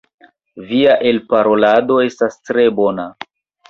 Via elparolado estas tre bona.